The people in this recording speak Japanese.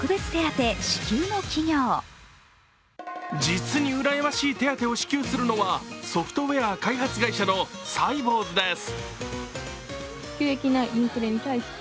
実にうらやましい手当を支給するのはソフトウエア開発会社のサイボウズです。